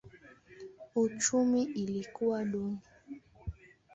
Uchumi ilikuwa duni.